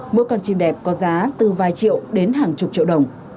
mỗi con chim đẹp có giá từ vài triệu đến hàng chục triệu đồng